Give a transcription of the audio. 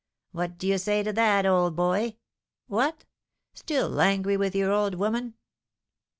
What do you say to that old boy? What! still angry with your old woman?"